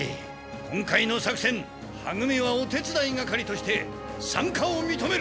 今回の作戦は組はお手つだい係としてさんかをみとめる！